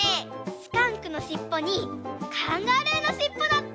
スカンクのしっぽにカンガルーのしっぽだって！